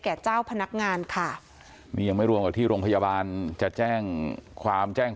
เจ้าพนักงานค่ะนี่ยังไม่รวมกับที่โรงพยาบาลจะแจ้งความแจ้ง